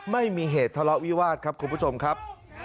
ไม่มีเหตุทะเลาะวิวาสครับคุณผู้ชมครับ